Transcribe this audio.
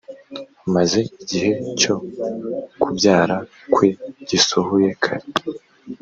maze igihe cyo kubyara kwe gisohoye kare